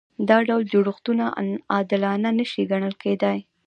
دا ډول جوړښتونه عادلانه نشي ګڼل کېدای.